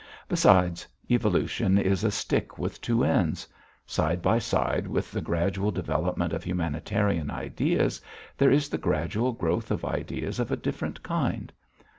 Besides, evolution is a stick with two ends. Side by side with the gradual development of humanitarian ideas, there is the gradual growth of ideas of a different kind.